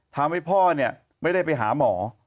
ทำให้พ่อเนี่ยไม่ได้ไปหาหมอ